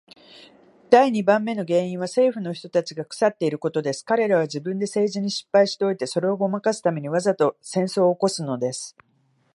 第二番目の原因は政府の人たちが腐っていることです。彼等は自分で政治に失敗しておいて、それをごまかすために、わざと戦争を起すのです。